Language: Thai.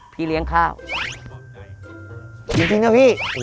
พี่เลี้ยงข้าว